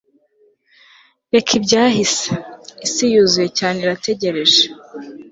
reka ibyahise. isi yuzuye cyane irategereje